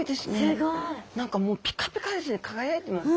すごい。何かもうピカピカですね輝いてます。